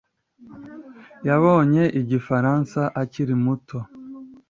Yabonye igifaransa akiri muto